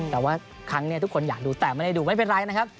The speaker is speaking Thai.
แต่ว่าครั้งนี้ทุกคนอยากดูแต่ไม่ได้ดูไม่เป็นไรนะครับ